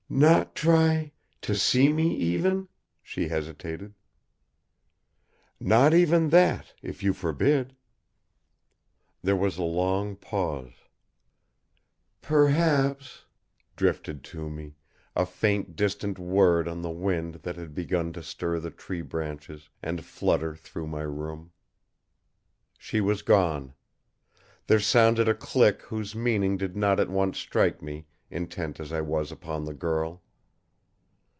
"Not try to see me, even?" she hesitated. "Not even that, if you forbid." There was a long pause. "Perhaps " drifted to me, a faint distant word on the wind that had begun to stir the tree branches and flutter through my room. She was gone. There sounded a click whose meaning did not at once strike me, intent as I was upon the girl.